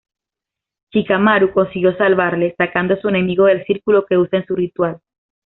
Shikamaru consiguió salvarle, sacando a su enemigo del círculo que usa en su ritual.